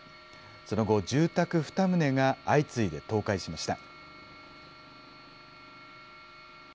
その後、住宅２棟が相次いで倒壊しました。